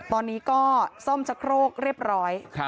ตอนนี้ก็ซ่อมชะโครกเรียบร้อย